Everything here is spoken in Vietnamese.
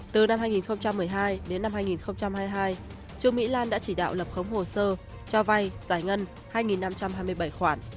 từ năm hai nghìn một mươi hai đến năm hai nghìn hai mươi hai trương mỹ lan đã chỉ đạo lập khống hồ sơ cho vay giải ngân hai năm trăm hai mươi bảy khoản